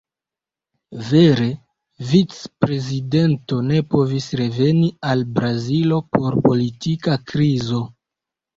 Vere, vic-prezidento ne povis reveni al Brazilo por politika krizo.